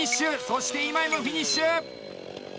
そして、今井もフィニッシュ！